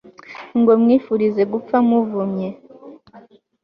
ngo mwifurize gupfa muvumye